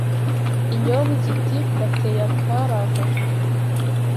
Inyombya iti Mbateye akari aha